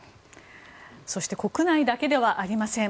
そして国内だけではありません。